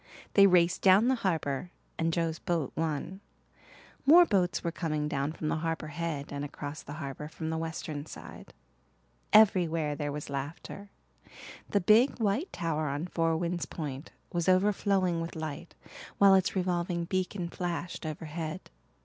They raced down the harbour and Joe's boat won. More boats were coming down from the Harbour Head and across the harbour from the western side. Everywhere there was laughter. The big white tower on Four Winds Point was overflowing with light, while its revolving beacon flashed overhead.